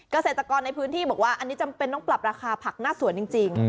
เกษตรกรในพื้นที่บอกว่าอันนี้จำเป็นต้องปรับราคาผักหน้าสวนจริง